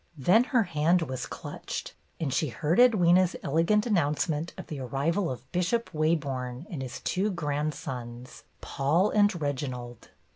Then her hand was clutched, and she heard Edwyna's elegant announcement of the arrival of Bishop Wa borne and his two grandsons, Paul and Reginald.